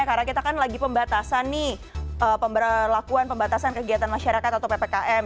karena kita kan lagi pembatasan nih pembelakuan pembatasan kegiatan masyarakat atau ppkm